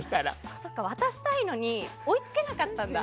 渡したいのに追いつけなかったんだ。